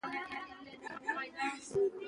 نه مي علم نه دولت سي ستنولای